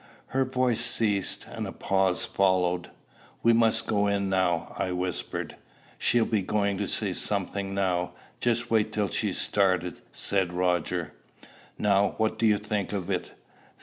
Her voice ceased, and a pause followed. "We must go in now," I whispered. "She'll be going to say something now; just wait till she's started," said Roger. "Now, what do you think of it?"